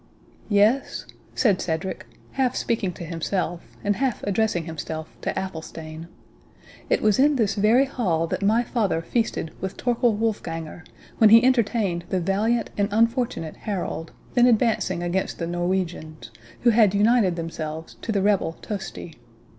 "Yes," said Cedric, half speaking to himself, and half addressing himself to Athelstane, "it was in this very hall that my father feasted with Torquil Wolfganger, when he entertained the valiant and unfortunate Harold, then advancing against the Norwegians, who had united themselves to the rebel Tosti.